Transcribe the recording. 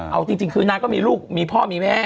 เอาจริงคือนางก็มีลูกมีพ่อมีแม่